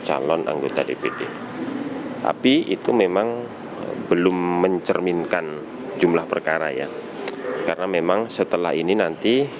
ada dua ratus tujuh puluh tujuh pengajuan permohonan